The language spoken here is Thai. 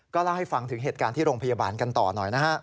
เล่าให้ฟังถึงเหตุการณ์ที่โรงพยาบาลกันต่อหน่อยนะฮะ